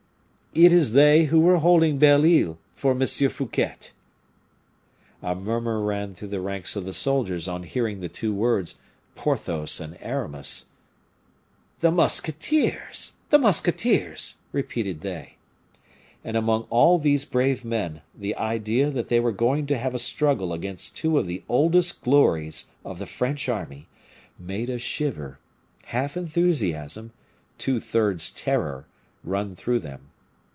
"It is they who were holding Bell Isle for M. Fouquet." A murmur ran through the ranks of the soldiers on hearing the two words "Porthos and Aramis." "The musketeers! the musketeers!" repeated they. And among all these brave men, the idea that they were going to have a struggle against two of the oldest glories of the French army, made a shiver, half enthusiasm, two thirds terror, run through them.